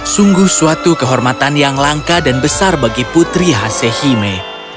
sungguh suatu kehormatan yang langka dan besar bagi putri hasehime